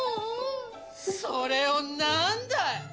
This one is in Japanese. それをなんだい！